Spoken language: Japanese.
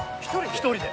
１人で？